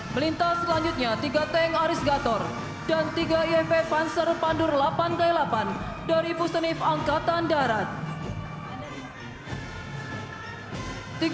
melintas selanjutnya tiga teng aris gator dan tiga yp panzer pandur delapan k delapan dari busenif angkatan darat